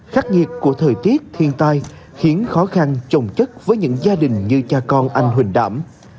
khắc nghiệt của thời tiết thiên tai khiến khó khăn trồng chất với những gia đình như cha con anh huỳnh đảm